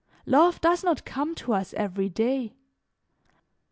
Love does not come to us every day.